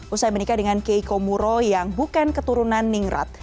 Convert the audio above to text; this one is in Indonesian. usai menikah dengan keiko muro yang bukan keturunan ningrat